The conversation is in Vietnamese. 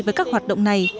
với các hoạt động này